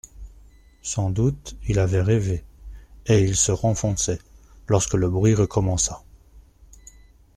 Sans doute, il avait rêvé, et il se renfonçait, lorsque le bruit recommença.